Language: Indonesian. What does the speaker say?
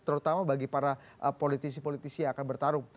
terutama bagi para politisi politisi yang akan bertarung